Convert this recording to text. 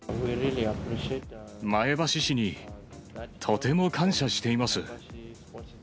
前橋市にとても感謝しています。